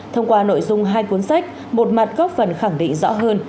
thông qua nội dung hai cuốn sách một mặt góp phần khẳng định rõ hơn